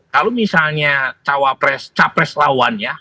kalau misalnya cawa pres cawapres lawannya